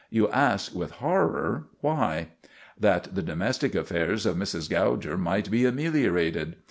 You ask with horror why. That the domestic affairs of Mrs. Gouger might be ameliorated.